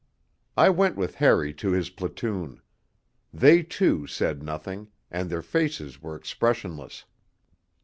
I went with Harry to his platoon; they too said nothing, and their faces were expressionless.